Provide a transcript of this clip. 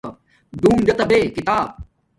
ڈون دیتا بے کتاب